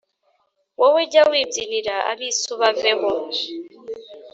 wowe jya wibyinira abisi ubaveho